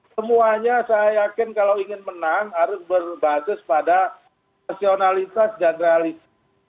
semuanya saya yakin kalau ingin menang harus berbasis pada rasionalitas dan realistis